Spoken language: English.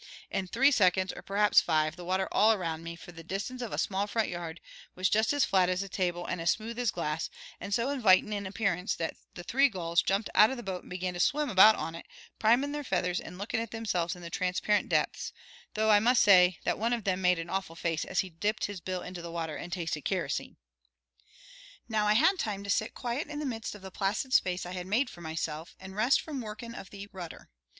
In three seconds, or perhaps five, the water all around me, for the distance of a small front yard, was just as flat as a table and as smooth as glass, and so invitin' in appearance that the three gulls jumped out of the boat and began to swim about on it, primin' their feathers and lookin' at themselves in the transparent depths, though I must say that one of them made an awful face as he dipped his bill into the water and tasted kerosene. "Now I had time to sit quiet in the midst of the placid space I had made for myself, and rest from workin' of the rudder.